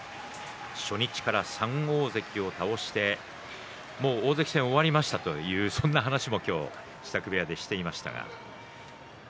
初日から３大関を倒してもう大関戦終わりましたというそんな話も今日支度部屋でしていましたが。